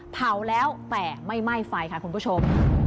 เผาแล้วแต่ไม่ไหม้ไฟค่ะคุณผู้ชม